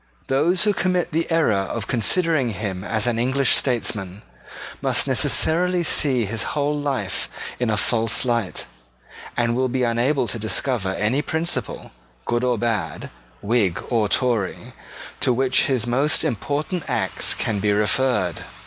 Those who commit the error of considering him as an English statesman must necessarily see his whole life in a false light, and will be unable to discover any principle, good or bad, Whig or Tory, to which his most important acts can be referred.